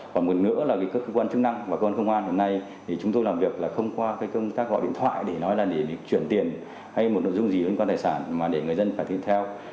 còn một cái nữa là cái cơ quan chức năng và cơ quan công an hôm nay thì chúng tôi làm việc là không qua cái công tác gọi điện thoại để nói là để chuyển tiền hay một nội dung gì liên quan tài sản mà để người dân phải tiếp theo